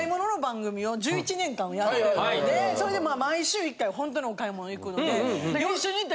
それでまあ毎週１回ほんとにお買い物行くので。